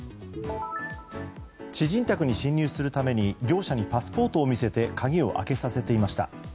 知人宅に侵入するために業者にパスポートを見せて鍵を開けさせていました。